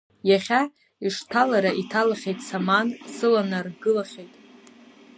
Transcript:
Иахьа ишҭалара иҭалахьеит саман, сыланаргылахьеит снаган ҳәынҵәак.